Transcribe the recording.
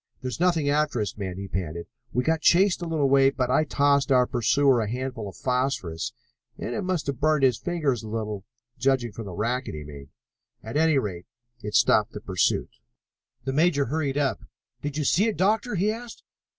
"There's nothing after us, men," he panted. "We got chased a little way, but I tossed our pursuer a handful of phosphorus and it must have burned his fingers a little, judging from the racket he made. At any rate, it stopped the pursuit." The major hurried up. "Did you see it, Doctor?" he asked.